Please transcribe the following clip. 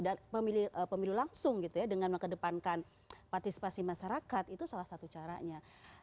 dan pemilu langsung gitu ya dengan mengkedepankan partisipasi masyarakat itu salah satu caranya